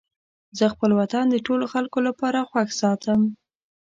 زه خپل وطن د ټولو خلکو لپاره خوښ ساتم.